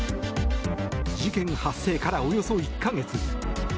事件発生から、およそ１か月。